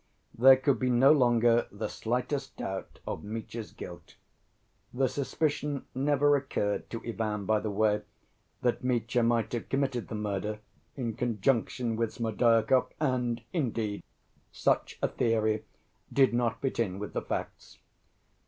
There could be no longer the slightest doubt of Mitya's guilt. The suspicion never occurred to Ivan, by the way, that Mitya might have committed the murder in conjunction with Smerdyakov, and, indeed, such a theory did not fit in with the facts.